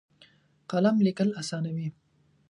قلم لیکل اسانوي.